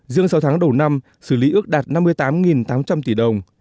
riêng sáu tháng đầu năm xử lý ước đạt năm mươi tám tám trăm linh tỷ đồng